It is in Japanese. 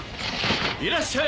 いらっしゃい。